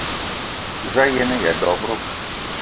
Za a yen-aya dob-ro?